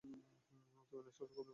তুমি না সরালে, কোথায় গেছে বাক্স?